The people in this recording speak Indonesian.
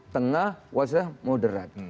tengah wasatiyah moderat